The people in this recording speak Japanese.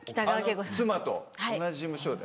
妻と同じ事務所で。